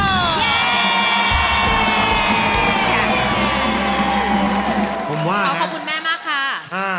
ขอบคุณแม่มากค่ะ